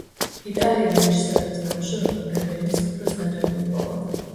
იტალიელი რეჟისორების ნამუშევარმა ბელრინის „ოქროს დათვი“ მოიპოვა.